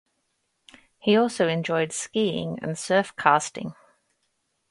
He also enjoyed skiing and surf-casting.